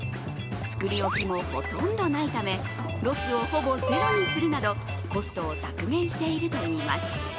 作り置きもほとんどないためロスをほぼゼロにするなどコストを削減しているといいます。